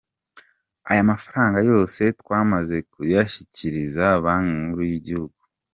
Aya mafaranga yose twamaze kuyashyikiriza Banki Nkuru y’Igihugu.